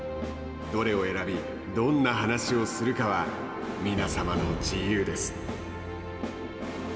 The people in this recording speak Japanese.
どれを選び、どんな話をするかは皆様の自由です。